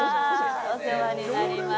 お世話になります。